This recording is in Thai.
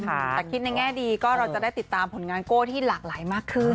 แต่คิดในแง่ดีก็เราจะได้ติดตามผลงานโก้ที่หลากหลายมากขึ้น